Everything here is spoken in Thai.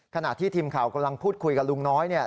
ขณะที่ทีมข่าวกำลังพูดคุยกับลุงน้อยเนี่ย